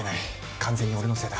完全に俺のせいだ。